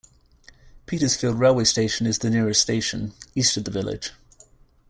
Petersfield railway station is the nearest station, east of the village.